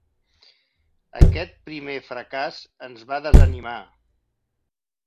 Aquest primer fracàs ens va desanimar.